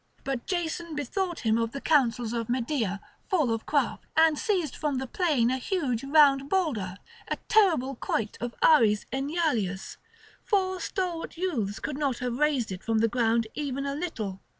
But Jason bethought him of the counsels of Medea full of craft, and seized from the plain a huge round boulder, a terrible quoit of Ares Enyalius; four stalwart youths could not have raised it from the ground even a little.